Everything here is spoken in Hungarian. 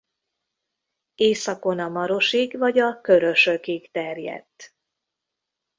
Északon a Marosig vagy a Körösökig terjedt.